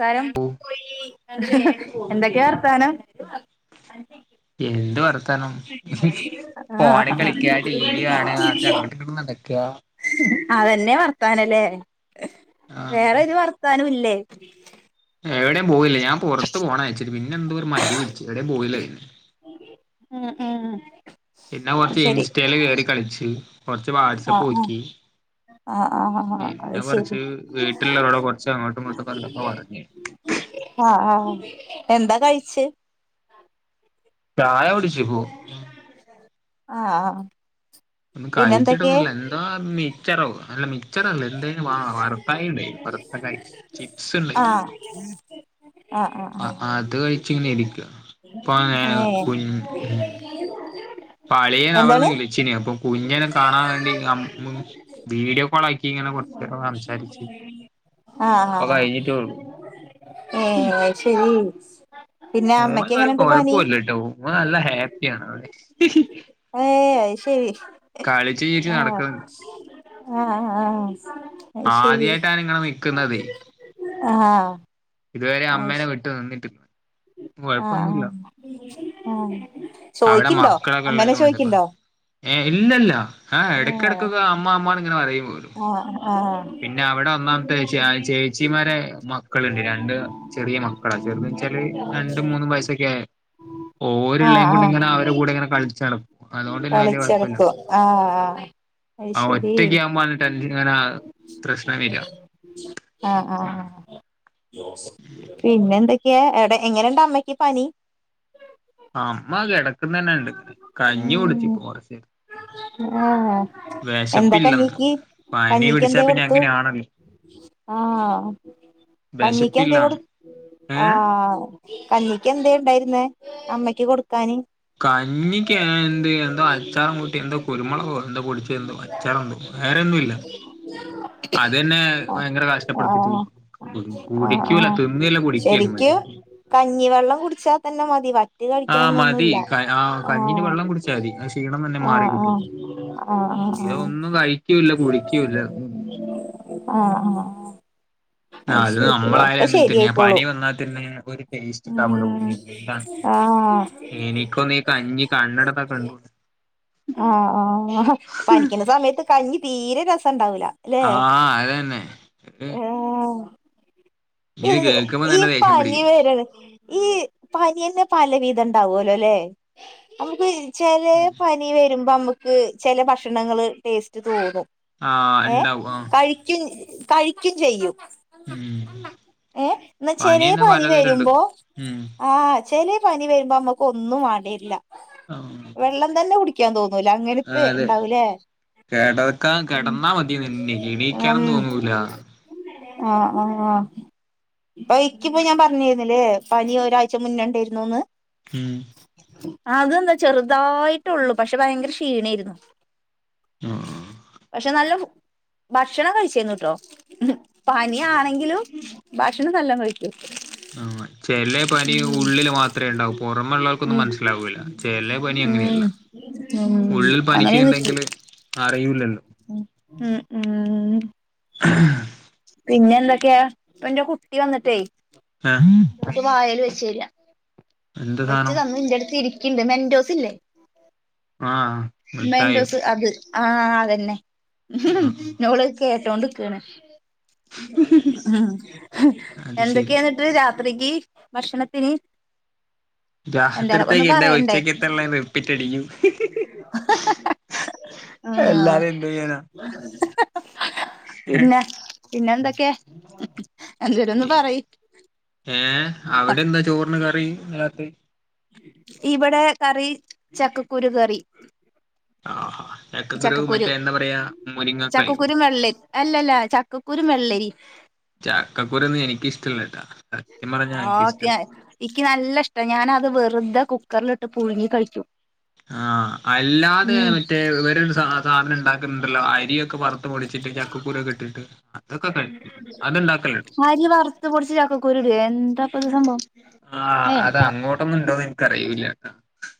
കാരം ഓ [unintelligible] [unintelligible] എന്തൊക്കെ വർത്താനം എന്ത് വർത്താനം ഫോണ് ആഹ് കളിക്ക ടി വി കാണ അങ്ങട്ട് ങ്ങ്ട്ടും [unintelligible] ന്നക്ക അതെന്നെ വർത്താനലെ ആ വേറൊരു വർത്താനൂല്ലേ എവിടെയും പോയില്ല ഞാൻ പുറത്ത് പോണം വിചാരിച്ചിട്ട് പിന്നെ എന്തൊ ഒരു മടി പിടിച്ചു എവിടയും പോയില്ല പിന്നെ ഉം ഉം ഉം പിന്നെ അത് കൊറച്ച് ശരി ഇൻസ്റ്റയില് കയറി കളിച്ചു കൊറച്ച് വാട്സപ്പ് ആഹ് നോക്കി ആഹ് ആഹ് ആഹ് ആഹ് ആഹ് അത് പിന്നെ ശരി കൊറച്ച് വീട്ടുള്ളരോടെ കൊറച്ച് അങ്ങോട്ടും ഇങ്ങോട്ടും കണ്ടൊക്കെ പറഞ്ഞ [unintelligible] ആഹ് ആഹ് എന്താ കഴിച്ചേ ചായ കുടിച്ചു ആഹ് ആഹ് ഒന്ന് പിന്നെ എന്തൊക്കെയ കഴിച്ചിട്ടന്നുമില്ല എന്താ മിച്ചാറോ അന് - മിച്ചറല്ല എന്തായും വ വറുത്തായ ഉണ്ടായി വറുത്തകായ ചിപ്സ് ഉണ്ടായി ആഹ് ആഹ് അത് കഴിച്ച് ഇങ്ങനെ ഇരിക്കയ പ്പാ ആഹ് ഏഹ് കുഞ് ഇപ്പാ അളിയൻ അവിടുന്ന് എന്താണ് വിളിച്ചിന് അപ്പൊ കുഞ്ഞനെ കാണാൻ വേണ്ടി മ് വീഡിയോ- നാക്കി ഇങ്ങനെ കൊറച്ച് നേരം സംസാരിച്ചു ഇപ്പൊ കഴിഞ്ഞിട്ടേയുള്ളു ഏയ് അത്ശരി ഓന് ഒരു കൊഴപ്പോയില്ല കേട്ടോ ഓന് നല്ല ഹാപ്പിയാണ് അവിടെ ഏഹ് അത് ശരി കളിച്ചു ചിരിച്ചു ആഹ് നടക്കുന്നുണ്ട് ആഹ് ആഹ് അത് ശരി ആദ്യായിട്ടാണ് ഇങ്ങനെ നിക്കുന്നതേ ആഹ് ഇതുവരെ അത് അമ്മേനെ ശ വിട്ടു നിന്നിട്ടില്ല ആഹ് കൊഴപ്പൊന്നുല്ല ആഹ് ആഹ് അവിടെ ചോയ്ക്ക്ണ്ടോ മക്കളൊക്കെ ഒമ്മനെ ഉള്ളവരും ഒണ്ട് ഇപ്പം ചോയ്ക്ക്ണ്ടോ ഏയ് ഇല്ലയില്ല ആഹാ ആഹ് എടക്കിടക്കൊക്കെ അമ്മ അമ്മ ഇങ്ങനെ പറയും ആഹ് ആഹ് പിന്നെ അവിടെ ഒന്നാമത്തെ വിഷയം ചേച്ചിമാരെ മക്കളുണ്ട് രണ്ട്- ചെറിയ മക്കളാ ചെറുത് എന്ന് വെച്ചല് രണ്ടും മൂന്നും വയസൊക്കെയയെ ഓര് ആഹ് ഉള്ളതും കൂടി- ആഹ് ഇങ്ങനെ അവർടെകൂടെ ഇങ്ങനെ കളിച്ചാളും അതുകൊണ്ട് പിന്നെ വലിയ കൊഴമില്ല കളിച്ചെടക്കും ആഹ് ആഹ് അത് ആഹ് ശരി ഒറ്റക്ക് ആവുമ്പോ അത് ട്ടഞ്ചിങ്ങനെ പ്രശ്നം വരുവാ ആഹ് ആഹ് പിന്നെ എന്തൊക്കെയാ എടെ എങ്ങനെണ്ട അമ്മക്ക് പനി അമ്മ കിടക്കുന്ന തന്നെ ഇണ്ട് ഇങ്ങനെ കഞ്ഞി ഉം കുടിച്ചു ഇപ്പൊ കൊറച്ചു നേരത്തെ ആഹ് എന്താ വിശപ്പില്ലന്ന് കഞ്ഞിക്ക് കഞ്ഞിക്ക് പനിപിടിച്ചാ എന്തേ പിന്നെ കൊടുത്തു അങ്ങനെയാണല്ലോ ആഹ് കഞ്ഞിക്ക് എന്തെ കൊടു വിശപ്പില്ലാന്ന് ഏ ആഹ് കഞ്ഞിക്ക് എന്തെ ഉണ്ടായിരുന്നേ അമ്മക്ക് കൊടു കഞ്ഞിക്ക് എന്ത് എന്താ അച്ചാറും കൂട്ടി എന്താ കുരുമുളകോ എന്താ പൊടിച്ച എന്തോ അച്ചാറന്തോ വേറെ ഒന്നൂ ല്ല അതെന്നെ ഭയങ്കര കഷ്ടപ്പെടുത്തിട്ട് ആഹ് ആഹ് കുടിക്കൂല ആഹ് തിന്നല്ല കുടിക്കല്ലേ ശരിക്ക് മര്യാദിക്ക് കഞ്ഞിവെള്ളം കുടിച്ചാ തന്നെ മതി വറ്റ് ആഹ് മതി കഴിക്കണംന്നൊന്നുല്ല ക ആ കഞ്ഞിന്റെ ആഹ് വെള്ളം കുടിച്ചാൽ മതി ആ ക്ഷീണം തന്നെ മാറി ആഹ് കിട്ടും ആഹ് ആഹ് ഉള്ളത് ഒന്നും കഴിക്കൂല്ല കുടിക്കൂല്ല ആഹ് ആഹ് ആഹ് ആഹ് അത് ശരി നമ്മളായാലും ഒക്കെ അങ്ങനെ തന്നെയ ശരിയായിക്കോളും പനി വന്നാൽ പിന്നെ ഒരു ടേസ്റ്റ് ഇണ്ടാവൂല ഉം ഉള്ളിൽ അതോണ്ടാണ് ആഹ് എനിക്കൊന്നും ഈ കഞ്ഞി കണ്ണെടുത്താ കണ്ടൂടാ ആഹ് ആഹ് പനിക്കുന്ന സമയത്ത് കഞ്ഞി തീരെ രസുണ്ടാവൂല അല്ലേ ആഹ് അതന്നെ ഏ ഇത് കേൾക്കുമ്പോ ഈ തന്നെ ദേഷ്യം പനീയ പിടിക്കും വരാണ് ഈ പാനീയന്നെ പല വീതം ഉണ്ട് ഉണ്ടാവലോല്ലേ നമുക്ക് ചില പനി വരുമ്പോ നമുക്ക് ചെില ഭക്ഷണങ്ങ ടേസ്റ്റ് തോന്നും ആഹ് ഏ ഉണ്ടാവും ആഹ് കഴിക്കും കഴിക്കയും ചെയ്യും ഉം ഏഹ എന്നാ ചെിലിയ തന്നെ പനി പലതരം ഉണ്ട് വരുമ്പോ ഉം ആഹ് ചെിലിയ പനി വര നമുക്ക് ഒന്നും ആടല്ല ആഹ് വെള്ളം തന്നെ കുടിക്കാൻ തോന്നുന്നു മുല അങ്ങനത്ത് അതെ ഉണ്ടാവൂലേ കിടക്കാൻ ഉ കിടന്നാ മതി എനിക്ക് ഉ എണീക്കാനും ആഹ തോന്നൂല ആഹ ആഹ ഇപ്പൊ എക്കിപ്പോ ഞാൻ പറഞ്ഞിുന്നില്ലേ പനി ഒരാഴ്ച മുന്നോണ്ടായിരുന്നുന്ന് ഹം അതെന്താ ചെറുതായിട്ടള്ളൂ പക്ഷെ ഭയങ്കര ക്ഷീണയിരുന്നു പക്ഷെ നല്ല ഭക്ഷണം കഴിച്ചന്നട്ടോ പനിയാണെങ്കിലും ഭക്ഷണം സ്ഥല്ലം കഴിക്കൂ ആഹ ചെല്ല പനി ഉള്ളില് മാത്രമേ ഉണ്ടാവൂ പുറമെുള്ളള്ളവർക്കൊന്നും ഉം മനസ്സിലാാവൂില്ല ചെല്ല പനി ഉം അങ്ങന ഉം ഉള്ളിൽ അങ്ങനെ നിക്കി പനിക്കണ്ടെങ്കില് അറിയല്ലല്ലോ ഉം ഉ ആ [unintelligible] പിന്നെ എന്തൊക്കെയാ ഇപ്പ എന്റെ കുട്ടി വന്നിട്ടേ ഏ കു വായൽ വെച്ചില്ല എന്താ വെച്ച് സാധനം തന്ന് നിന്റെ അടുത്ത് ഇരിക്കണ്ട് മെന്റോസ് ഇല്ലേ ആഹ മിഠായോ മെൻഡോസ് അബൽ ആഹ അതന്നെ ഉ ആ നോള് കേട്ടോണ്ട രിക്കണ് ഉ അത് ശരി എന്തൊക്കെയെന്നിട്ട് അരികി ഭക്ഷണത്തിന് എന്തേലൊക്കെ ഒന്ന് ഗ്രാഹത്തിടുത്തേക്ക് എൻന്റെ പറയണ്ടേ ഒച്ചക്ക് എത്ത വെപ്പിറ്റടിക്കും ആഹ് എല്ലാരും എന്ത്്യാനാ പിന്നെ പിന്നെ എന്തൊക്കെ എ ചര ഒന്ന് പറ ഏ അവിടെ എന്താ ചോറിന് കറി രാത്രി ഇവിടെ കറി ചക്കക്കുരു കറി ആഹാ ചക്കക്കുരു മറ്റേ എന്താ പറയാ മുരിങ്ങക്കായോ ചക്കക്കുരു വെള്ളരി അല്ലല്ല ചക്കക്കുരു വെള്ളരി ചക്കക്കുരുന്ന് എനിക്കിഷ്ടല്ലട്ടാ സത്യം പറഞ്ഞാ ഓക്കെ എനിക്കിഷ്ടല്ല എനിക്ക് നല്ല ഇഷ്ടം ഞാന വെറുതെ കുക്കറില ഇിട്ട് പുഴുങ്ങി കഴിക്കും ആഹ അല്ലാതെ ഉം മറ്റേ ഇവര സാധനം ഉണ്ടാക്കുന്നുണ്ടല്ലോ അരിയൊക്കെ മുൊടിച്ചിട്ട് ചക്കക്കൂര കെട്ടിട്ട് ആരിയ വാറത്ത പൊടിച്ച ചാക്കക്കരുട എന്താ അപ്പ സംഭവം ആ അത് അങ്ങോട്ടൊന്നും ഇണ്ടോന്ന് എനക്ക്റിിയൂല്ല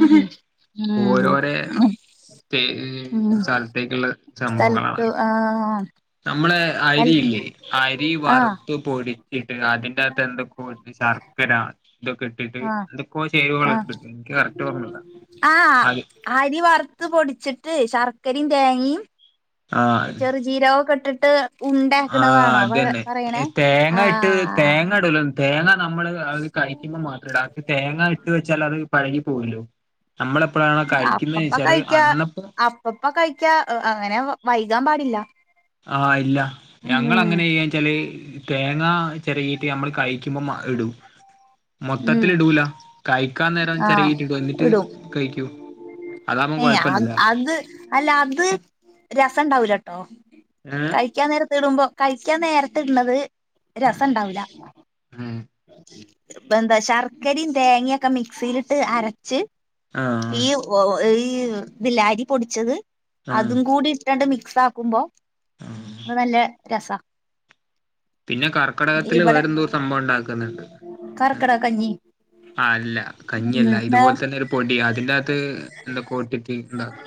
ഉ ഉ സ്റ്റേ ഉം സ്ഥലത്തേക്കുള്ള സ്ഥലത്ത് ആഹ് നമ്മള സ്ഥൽ അരിയില്ലേ അരി ആഹ് വറുത്ത് പൊടിച്ചിട്ട് അതിന്റെ അകത്ത് എന്തൊക്കെ ശർക്കരാ ഇതൊക്കെ ഇട്ടിട്ട് ആഹ് എന്തൊക്കെ ആഹ് ചെയ്വവളട്ട് എനിക്ക് കറക്റ്റ് പറഞ്ഞല്ല അത് ത്ത് പൊടിച്ചിട്ട് ശർക്കരയും തേങ്ങയും ചെറു ചീരവുംൊക്കെ ഇട്ടിട്ട് ആഹ ഉണ്ടയാക്കണതാണോ അത് തന്നെ പറയണേ തേങ്ങ ഇട്ട് ആഹ് തേങ്ങ ഇടല്ലോ തേങ്ങ നമ്മള് അത് കഴിക്കുമ്പോ മാത്രല്ല അക്ക് തേങ്ങ ഇട്ട് വെച്ചാൽ അത് പഴകി പോകല്ലോ അപ്പപ്പ കഴിക്കാ അന്നപ്പോ അപ്പപ്പ കഴിക്കാ അങ്ങനെ വൈകാൻ പാടില്ല ആഹ് ഇല്ല ഞങ്ങ ഉം അങ്ങനെ ചെയ്യ ചല് തേങ്ങ ചെറകിട്ട് നമ്മൾ കഴിക്കുമ്പോ ഇടും ഉം മൊത്തത്തിൽ ഇടൂല കഴിക്കാൻ നേരം ആഹ് ചിരകിട്ടി ഇട എന്നിട്ട് ഇടും കഴിക്കൂ അതാവുമ്പോ ഏ അ കൊഴപ്പല്ലല്ലോ അത് അല്ല അത് രസം ഉണ്ടാവലട്ടോ ഏഹ് കഴിക്കാൻ നേരത്തെ ഇടുമ്പോ കഴിക്കാൻ നേരത്തി ഇടത് രസംണ്ടാവൂല ഉം എന്താ ശർക്കരയും തേങ്ങയൊക്കെ മിക്സിയിലിട്ട് അരച്ച് ആഹ് ഈ ഈ ബിലാരി പൊടിച്ചത് ആഹ് അതും കൂടി ണ്ട് മിക്സ് ആക്കുമ്പോ ആഹ് അത് നല്ല രസമാണ് പിന്നെ കർക്കിടകത്തില് ബടെ വേറെന്തോ സംഭവം കർ കടാ കഞ്ഞ ആ അല്ല കഞ്ഞല്ല ഇതുപോലെ തന്നെ ഒരു പൊടിിയ അതിന്റെകത്ത് എന്തൊ പോട്ടിട്ട് ഇന്താക്ക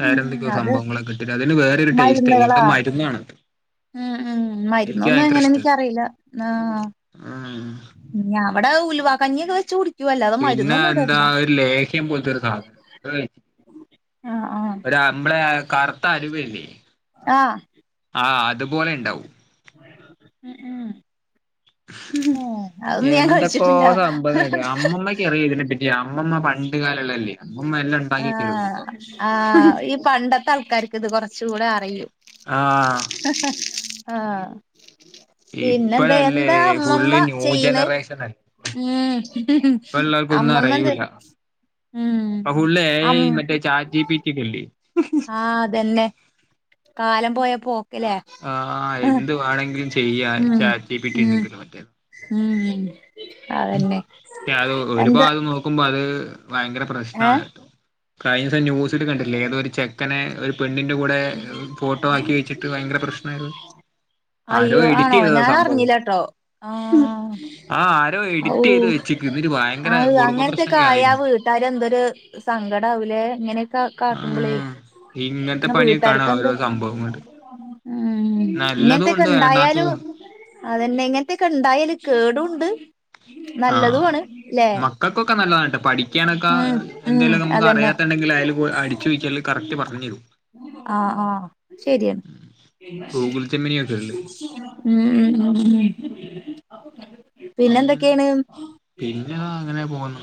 വേറെ എന്തൊക്കെയോ അത് സംഭവങ്ങളൊക്ക കിട്ടിട്ട് അതിന് വേറൊരു ടേസ്റ്റ് ആയി എന്ത മരുന്നുകളാ മരുന്നാണത് ഉം ഉം മരുന്നൊന്നും എങ്ങനെ എനിക്കറിയില്ല ആ ഉം ഇനി അവിടെ ഉൽവാ കഞ്ഞിയൊക്കെ വെച്ച കുട പിന്നെ എന്താ ഒരു ലേഹ്യം പോലത്തെരു സാധനം ക ആഹ് ആഹ് ഒ അമ്പളെ കറുത്ത അരുവല്ലേ ആഹ അതുപോലെ ഉണ്ടാവും മ ആ ഉ എന്തൊക്കോ കഴിച്ചിട്ടില്ല സംഭവങ്ങട അമ്മക്ക്റിയ ഇതിനെപ്പറ്റിയ അമ്മമ്മ പണ്ട് കാലള്ളല്ലേ അമ്മ ആഹ ആഹ ഈ പണ്ടത്തെ കർക്ക് ഇത് കൊറച്ച കൂടെ അറിയൂ ആഹ് ആഹ പിന്നെന്താ ഇപ്പഴല്ലേ എന്താ അമ്മമ്മ ഫുള്ള് ന്യൂ ചെയ്യണ് ജനറേഷൻ അല്ലേ ഉ അമ്മമ്മന്ത് അഹുള്ളേ മറ്റേ ചാജി പീറ്റക്കി ആഹ അതന്നെ കാലം പോയപ്പോ ല്ലേ ആഹ് എന്ത് വേണെങ്കിലും ചെയ്യാ ഉ ചാറ്റ് ജി പി ടി ഉണ്ടെങ്കില് മറ്റേ പക്ഷെ ഉ അത് ഒരു എന്താ ഭാഗം നോക്കുമ്പോ അത് ഭയങ്കര ഏ പ്രശ്നമാണ് ഏട്ടോ കഴിഞ്ഞ ദ സസം ന്യൂസിൽ കണ്ടില്ലേ ഏത ഒരു ചെക്കെ ഒരു പെണ്ണിന്റെ കൂടെ ഫോട്ടോ ആക്കി വച്ചിട്ട് ഭയങ്കര പ്രശ്നം പ്രശ്നായിരുന്നു ആരോ അയ്യോ എഡിറ്റ് ആണോ ചെയ്ത ഞാൻ സംഭവം അറിഞ്ഞില്ലട്ടോ ആഹ് ആ എോ ഔ എഡിറ്റ് ചെയ്ത് വെച്ചി ഇ ഭയങ്കര അത് കുടുംബ അങ്ങനത്തെക്കെ പ്ര്രശ്നൊക്കെ ആയാ ആയിരുന്നു വീട്ടാര് കാ കാട്ടുമ്പളേ ആഹ് ഇങ്ങനത്തെ പണിയൊക്കെ ആണ് വീട്ടാർക്കെ എന്ത് ഓരോ സംഭവങ്ങണ്ട് ഉം നല്ലതും ഇങ്ങനത്തൊക്കെ ഉണ്ട് വേണ്ടാത്തതും എന്തായാലും ഉണ്ട് അതന്നെ ഇങ്ങനത്തെയൊക്കെ ഇണ്ടായല് കേടുവുണ്ട് ആഹ് മക്കൾക്കൊക്കെ നല്ലതാണ്ട്ടോ പഠിക്കാനൊക്കെ ഉം ഉം എന്തേലും നമുക്ക് അതന്നെ അറിയാത്തെ ഉണ്ടെങ്കിൽ അയില് പോയി അടിച്ച് നോക്കിയാല് കറക്റ്റ് പറഞ്ഞരും ആഹ് ആഹ് ശരിയാണ് ഗൂഗിൾ ജെമിനിയൊക്കെ ഇല്ലേ ഉം ഉം പിന്നെ പിന്നെന്താ എന്തൊക്കെയാണ് പിന്നെതാ അങ്ങനെ പോകുന്നു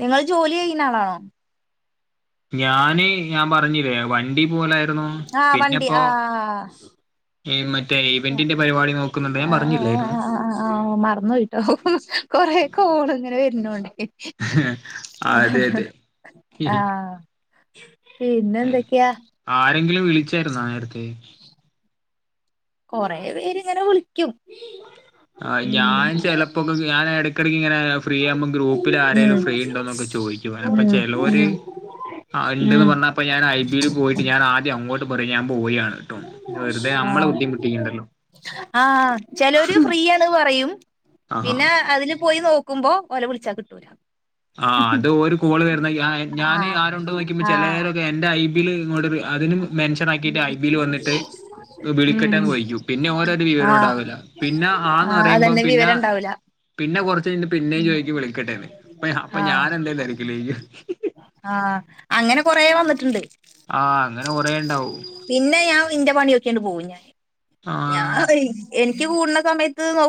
നിങ്ങള് ജോലി ചെയ്യ് ന്നാളാണോ ഞാന് ഞാൻ പറഞ്ഞില്ലേ വ വണ്ടീ പോവലായിരുന്നു ആഹ് വണ്ടി പിന്നിപ്പോ ആഹ് ഞാൻ പറഞ്ഞില്ലായിരുന്നു ആഹ് മറന്നോയിട്ടോ കൊറേ ഓള് അങ്ങനെ മേ അതെ അതെ ആഹ് പിന്നെന്തൊക്കെയാ എന്തേലും വിളിച്ചായിരുന്നോ നേരത്തെ കൊറേ പേരിങ്ങനെ വിളിക്കും ആഹ് ഞാൻ ചിലപ്പൊക്കെ ഞാൻ ഇടയ്ക്കിടക്ക് ഇങ്ങനെ ഫ്രീ ആകുമ്പം ഗ്രൂപ്പിൽ ആരേലും ഉം ഫ്രീ ഉണ്ടോ എന്നൊക്കെ ചോദിക്കുവാ അപ്പൊ ഉം ചെലോര് ഉം ആഹ് ഇണ്ടെന്ന് ഉം പറഞ്ഞപ്പം ഞാൻ ഐ ബിൽ പോയിട്ട് ഞാൻ ആദ്യം അങ്ങോട്ട് പറയും ഞാൻ ബോയ് ആണ്ട്ടോ പിന്നെ വെറുതെ നമ്മ നമ്മള് ആഹ് ബുദ്ധിമുട്ടിക്കണ്ടല്ലോ ആഹ് ചിലരു ഫ്രീ ന്ന് പറയും ആഹ് പിന്നെ അതില് പോയി നോക്കുമ്പം ഓലെ വിളിച്ചാൽ കിട്ടൂല ആഹ് അത് ഒരു കോള് വരുന്നെ ഞാൻ ഞാന് ആഹ് ആരൊണ്ട് ചോദിക്കുമ്പോ ആഹ് ചിലരൊക്കെ എന്റെ ഐ ബിൽ ഇങ്ങോട്ട് വി അതിന് മെൻഷൻ ആക്കിയിട്ട് ഐ ബിയിൽ വന്നിട്ട് ഉം വിളിക്കട്ടേന്ന് ചോദിക്കും പിന്നെ ഓര്ടെ ഒരു വിവരോം ആഹ് ഉണ്ടാവില്ല പിന്നെ ആന്ന് ആഹ് പറയുമ്പം അതന്നെ പിന്നെ വിവരം ഇണ്ടാവൂല പിന്നെ കുറച്ച് കഴിഞ്ഞിട്ട് പിന്നേം ചോദിക്കും വിളിക്കട്ടേന്ന് അപ്പം അപ്പൊ ഞാൻ ആഹ് എന്തേന്ന് ആയിരിക്കില്ലേ ഇയ്യ് ആഹ് അങ്ങനെ കൊറേ വന്നിട്ടുണ്ട് ആഹ് അങ്ങനെ കൊറേ ഉണ്ടാവും പിന്നെ ഞാൻ ഇന്റെ വ പണി നോക്കി അങ്ങട് പോകും ഞാൻ ആഹ് ഞാൻ എനിക്ക് കൂടണ സമയത്ത് നോ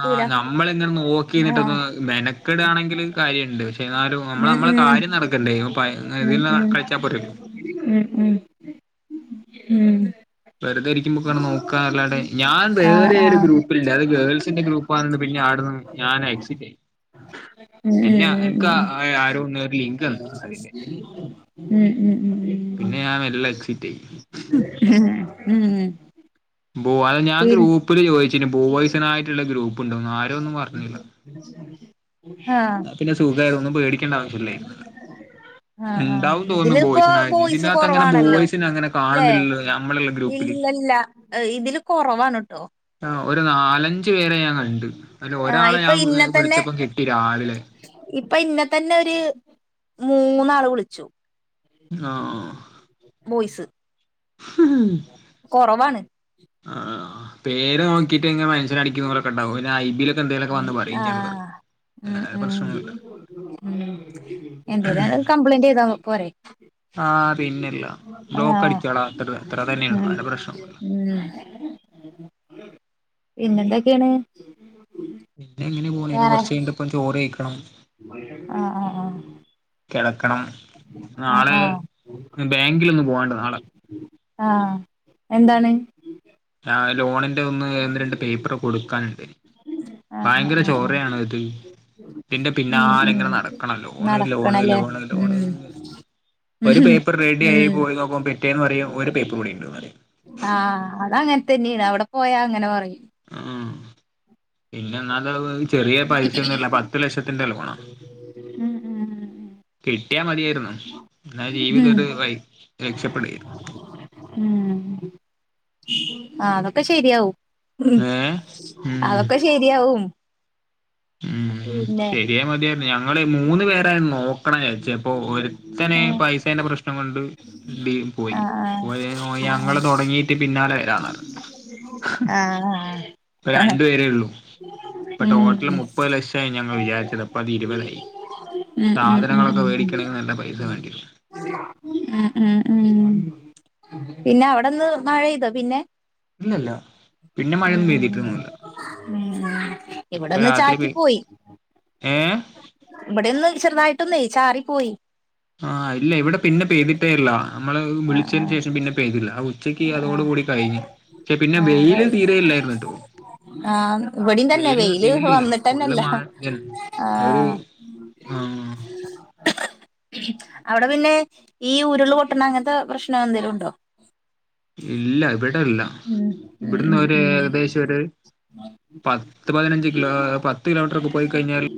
ആ് നമ്മള എങ്ങനെ നോക്കിിട്ടൊന്ന് ആഹ് മെനക്കെടാണെങ്കിൽ കാര്യുണ്ട് പക്ഷെ എന്നാലും നമ്മളെ കാര്യം ഉം നടക്കണ്ടേ ഇപ്പൊ ഉം ഇതിൽ ഉം കളിച്ചാ പോരല്ലോ ഉം ഉം ഉം ഉം വെറുതെയിരിക്കുംമ്പം കാണാം നോക്കാൻ അല്ലാതെ ഞാൻ ആഹ് വേറെ ഒരു ആഹ് ഗ്രൂപ്പില്ല അത് ഗേൾസിന്റെ ഗ്രൂപ്പാണെന്ന് പിന്നെ അവിടുന്ന് ഞാൻ എക്സിറ്റ് ആയി ഉം എന്നെ എനിക്ക് ഉം ആരോ കേറി ലിങ്ക് തന്ന് അതിന്റെ ഉം ഉം ഉം ഉം പിന്നെ ഞാൻ എല്ലാം എക്സിറ്റ് ആയി ഉം ഉം ബോ അത് ഞാൻ പിൻ ഗ്രൂപ്പില് ചോദിച്ചിന് ബോയ്സിനായിട്ടുള്ള ഗ്രൂപ്പ് ഉ ആഹ് പിന്നെ സുഖായിരുന്നു ഒന്നും പേടിക്കേണ്ട അ ആവശ്യമില്ലായിരുന്നു [inaudible] ആഹ് ആഹ് ഉണ്ടാവും തോന്നുന്നു ഇതിലിപ്പോ ബോയ്സിനായിട്ട് ബോയ്സ് ഇതിന്റകത്ത് അങ്ങനെ കുറവാണല്ലോ ബോയ്സിനെ അങ്ങനെ അല്ലേ കാണുന്നില്ലല്ലോ നമ്മളുള്ള ലി ഗ്രൂപ്പില് അല്ലല്ല ഇതില് കുറവാണ് ആ ഒരു നാലഞ്ചു പേരെ ഞാൻ കണ്ടു അതില് ആഹ് ഒരാളെ ഇപ്പൊ ഞാൻ ഇന്നെ വിളിച്ചപ്പം കിട്ടി രാവിലെ അപ്പം ഇന്നെ തന്നെ ഒര് മൂന്നാള് വിളിച്ചു ആഹ് വോയിസ്‌ കൊറവാണ് ആഹ് പേര് നോക്കിയിട്ട് ഇങ്ങ മനുഷ്യരടിക്കുന്നപോലൊക്കെയുണ്ടാകും ഐബിയിലൊക്കെ എന്തേലൊക്കെ വന്ന് പറയും ആഹ് [unintelligible] ഉം ഉം പ്രശ്നൊന്നുമില്ല ഉം എന്തേലുവാണ് കംപ്ലൈന്റ് ചെയ്ത മ ആ പിന്നെല്ല ആ ബ്ലോക്ക് അടിക്കാടാ അത്ര അത്ര ഉം തന്നെയുള്ളു വേറെ പ്രശ്നമൊന്നുമില്ല ഉം. പിന്നെന്തൊക്കെണ്. ഇങ്ങനെ പോണ് ഇനി കൊറച്ചഴിഞ്ഞിട്ട് ഇപ്പം ചോറ് കഴിക്കണം. ആഹ് കെടക്കണം നാളെ ബാങ്കിലൊന്ന് പോവാണ്ട്. നാളെ ആ എന്താണ്. ലോണിന്റെ ഒന്ന് എ ഒന്ന് രണ്ട് പേപ്പർ കൊടുക്കാന്ണ്ട്. ആഹ് ഭയങ്കര ആഹ് ആഹ് ആഹ് ചോറയാണോ ഇത്. ഇതിന്റെ ഉം പിന്നാല ഉം ഇങ്ങനെ നടക്കണം ലോണ് ലോണ് നടക്കണല്ലേ ലോണ് ഉം ലോണ്. ഒരു ഉം പേപ്പർ റെഡി ആയി ഉം പോയി നോക്കുമ്പം പിറ്റേന്ന് പറയും ഒരു പേപ്പറൂടി ഇണ്ട്ന്നറിയും. ആഹ് അതങ്ങനെ തന്നെയാണ് അവിടെ പോയാ അങ്ങനെ പറയും. ഉം. പിന്നെ എന്നാലും അത് ചെറിയ പൈസയൊന്നല്ല പത്തു ലക്ഷത്തിന്റെ ലോണാ. ഉം കിട്ടിയാ മതിയായിരുന്നു ന്നാ ജീവിതം ഒരു വഴി രക്ഷപ്പെടേർന്ന്. ഉം. ആ അതൊക്കെ ശെരിയാവും, ഏ ഉം അതൊക്കെ ശെരിയാവും. ഉം ശരിയായ മതിയായിരുന്നു ഞങ്ങള് മൂന്ന് പേരായിരുന്നു. നോക്കണെ ചാച്ചപ്പം ഒര്ത്തന് ആഹ് പൈസേന്റെ പ്രശ്നം കൊണ്ട് ഡി പോയി ആഹ് പോയ ഓ ഞങ്ങള് ആഹ് തുടങ്ങീട്ട് പിന്നാലെ വരാന്നറിഞ്ഞ്. ആ. ഇപ്പ രണ്ടു പേരേള്ളൂ. ഇപ്പ ഉം ടോട്ടൽ ഉം മുപ്പത് ലക്ഷായി ഞങ്ങൾ വിചാരിച്ചത് അപ്പ അത് ഇരുപതായി. ഉം ഉം ഉം സാധനങ്ങളൊക്കെ ഉം മേടിക്കണമെങ്കിൽ നല്ല പൈസ ഉം വേണ്ടി വരും ഉം. പിന്നെ അവിടെ ഇന്ന് മഴെയ്തോ പിന്നെ. ഇല്ലല്ല പിന്നെ ഉം മഴയൊന്നും ഉം പെയ്തിട്ടൊന്നുമില്ല ഉം. ഇപ്പൊ ഇവിടെന്ന് രാത്രി പെ ചാറ്റി പോയി ഏ ഇവിടെന്ന് ചെറുതായിട്ട് ഒന്നെ ചാറി പോയി. ആ ഇല്ല ഇവിടെ പിന്നെ പെയ്തിട്ടേല്ല. മ്മള് വിളിച്ചതിന് ആഹ് ശേഷം പിന്നെ പെയ്തില്ല ആ ഉച്ചക്ക് ആഹ് അതോട് ആഹ് കൂടി കഴിഞ്ഞ്. പിന്നെ ആഹ് വെയിലൽ കഴി തീരെ ഇല്ലായിരുന്നുട്ടോ. ആഹ് ഇവിടിം തന്നെ വെയില് വെയിലില്ല ഫുള്ള് വന്നിട്ടന്നെല്ല മഴന്നെ, ഒരു ആഹ് ആ. അവിടെ പിന്നെ ഈ ഉരുൾ പൊട്ടണ അങ്ങനത്തെ പ്രശ്നോ എന്തേലുംണ്ടോ. ഇല്ല ഇവിടെല്ല, ഉം ഉം ഇവിടന്ന് ഉം ഒരു ഉം ഏകദേശൊര്. പത്ത് പതിനഞ്ച് കിലോ, പത്ത് കിലോമീറ്റർ ഒക്കെ പോയി കഴിഞ്ഞാൽ.